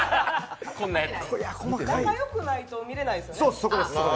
仲良くないと見れないですよね。